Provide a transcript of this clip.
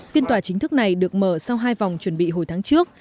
phiên tòa chính thức này được mở sau hai vòng chuẩn bị hồi tháng trước